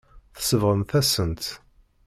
Tsebɣemt-asen-t.